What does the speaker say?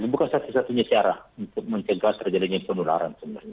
bukan satu satunya cara untuk mencegah terjadinya penularan sebenarnya